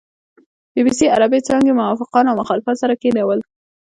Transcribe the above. بي بي سي عربې څانګې موافقان او مخالفان سره کېنول.